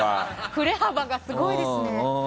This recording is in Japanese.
振れ幅がすごいですね。